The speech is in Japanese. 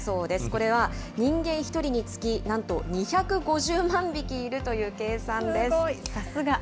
これは人間１人につき、なんと２５０万匹いるという計算です。